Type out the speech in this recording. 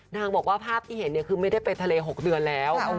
นางบอกว่าภาพที่เห็นคือไม่ได้ไปทะเล๖เดือนแล้ว